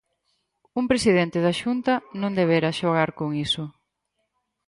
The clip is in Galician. Un presidente da Xunta non debera xogar con iso.